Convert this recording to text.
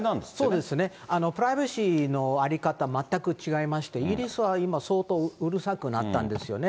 そうですね、プライバシーの在り方、全く違いまして、イギリスは今、相当うるさくなったんですよね。